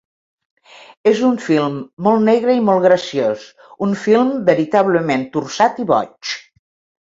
És un film molt negre i molt graciós, un film veritablement torçat i boig.